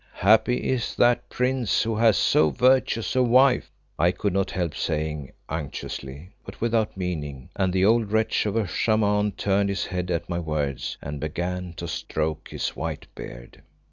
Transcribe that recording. "Happy is that prince who has so virtuous a wife!" I could not help saying unctuously, but with meaning, and the old wretch of a Shaman turned his head at my words and began to stroke his white beard.